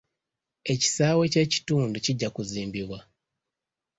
Ekisaawe ky'ekitundu kijja kuzimbibwa.